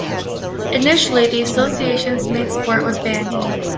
Initially the association's main sport was bandy.